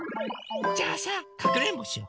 じゃあさかくれんぼしよ。